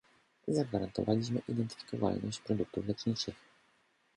Zagwarantowaliśmy identyfikowalność produktów leczniczych